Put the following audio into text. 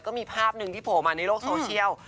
ก็มีภาพหนึ่งที่โผล่มาในโลกโซเชียล